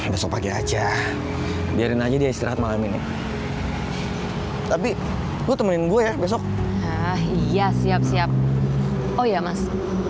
besok pagi aja biarin aja dia istirahat malam ini tapi gue temenin gue ya besok iya siap siap oh iya mas